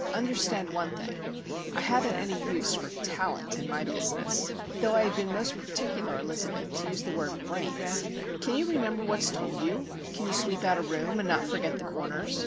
Understand one thing. I haven't any use for talent in my business' (though I had been most particular, Elizabeth, to use the word brains). 'Can you remember what's told you? Can you sweep out a room, and not forget the corners?